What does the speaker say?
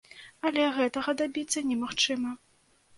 Але гэтага дабіцца немагчыма.